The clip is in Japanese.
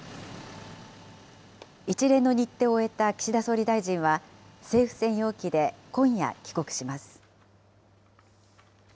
一連の日程を終えた岸田総理大臣は、政府専用機で今夜、帰国します。